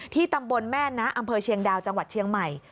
ตำบลแม่นะอำเภอเชียงดาวจังหวัดเชียงใหม่